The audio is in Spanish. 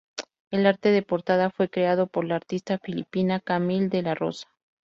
El arte de portada fue creado por la artista filipina Camille Dela Rosa.